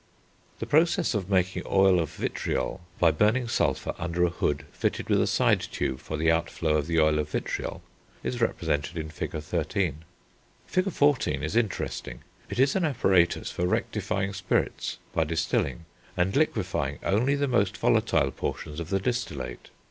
_] The process of making oil of vitriol, by burning sulphur under a hood fitted with a side tube for the outflow of the oil of vitriol, is represented in Fig. XIII. p. 92. Fig. XIV. p. 93, is interesting; it is an apparatus for rectifying spirits, by distilling, and liquefying only the most volatile portions of the distillate.